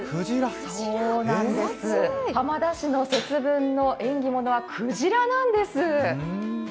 そう、浜田市の節分の縁起物はくじらなんです。